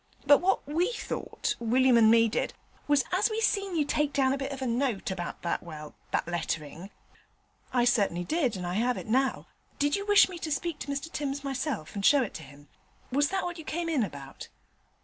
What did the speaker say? But what we thought, William and me did, was as we seen you take down a bit of a note about that well, that letterin' ' 'I certainly did that, and I have it now. Did you wish me to speak to Mr Timms myself, and show it to him? Was that what you came in about?'